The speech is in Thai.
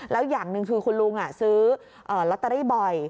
แล้วอย่างหนึ่งคือคุณลุงซื้อลอตเตอรี่บ่อย